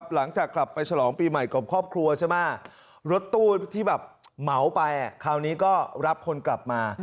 หลังจากกลับไปฉลองปีใหม่กับครอบครัวใช่ไหมรถตู้ที่แบบเหมาไปคราวนี้ก็รับคนกลับมา